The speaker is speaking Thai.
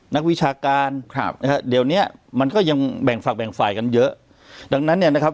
วิชาการครับนะฮะเดี๋ยวเนี้ยมันก็ยังแบ่งฝากแบ่งฝ่ายกันเยอะดังนั้นเนี่ยนะครับ